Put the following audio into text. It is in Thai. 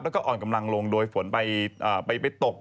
แล้วก็อ่อนกำลังลงโดยฝนไปตก